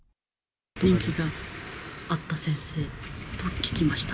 人気があった先生と聞きました。